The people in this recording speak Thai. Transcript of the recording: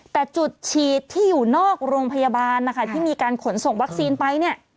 แต่จุดฉีดที่อยู่นอกโรงพยาบาลนะคะที่มีการขนส่งวัคซีนไปเนี่ย